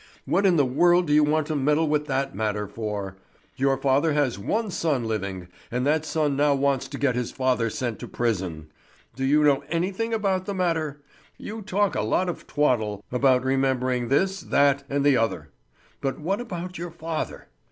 "What in the world do you want to meddle with that matter for? Your father has one son living, and that son now wants to get his father sent to prison. Do you know anything about the matter? You talk a lot of twaddle about remembering this, that, and the other; but what about your father?